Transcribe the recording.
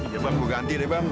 ya bang gue ganti deh bang